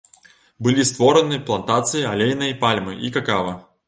Былі створаны плантацыі алейнай пальмы і какава.